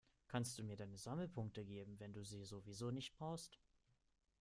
Kannst du mir deine Sammelpunkte geben, wenn du sie sowieso nicht brauchst?